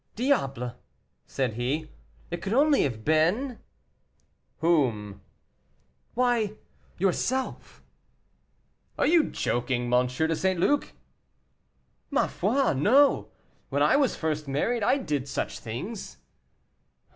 "Diable!" said he, "it could only have been " "Whom?" "Why, yourself." "Are you joking, M. de St. Luc?" "Ma foi, no; when I was first married I did such things."